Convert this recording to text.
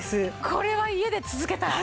これは家で続けたい！